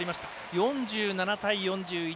４７対４１。